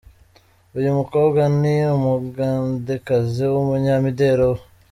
Uyu mukobwa ni Umugandekazi wumunyamideli uba.